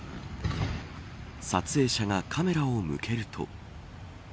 撮影者がカメラを向けると。